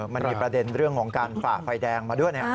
มันมีประเด็นเรื่องของการฝ่าไฟแดงมาด้วย